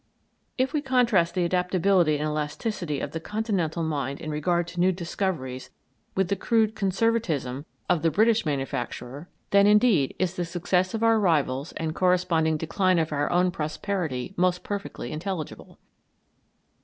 If we contrast the adaptability and elasticity of the continental mind in regard to new discoveries with the crude conservatism of the British manufacturer, then, indeed, is the success of our rivals and corresponding decline of our own prosperity most perfectly intelligible.